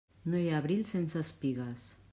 No hi ha abril sense espigues.